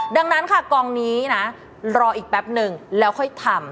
ดังนั้นค่ะกองนี้นะรออีกแป๊บนึงแล้วค่อยทำ